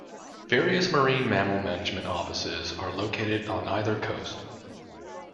Various Marine Mammal Management offices are located on either coast.